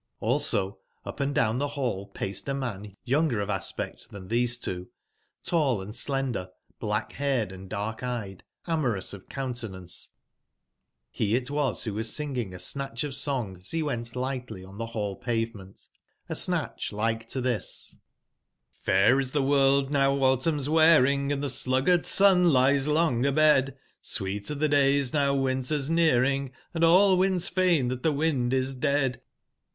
Hlso, up & down the hall, paced a man younger of aspect than these two, tall and slender, black/haired & dark/eyed, amorous of countenance; he it was who was singing a snatch of song as he went lightly on the hall pavement; a snatch like to this : ^HIR is the world, now autumn's wearing, Hnd the sluggard sun lies long abed; Sweet are the days, now winter's nearing, Hnd all winds feign that the wind is dead.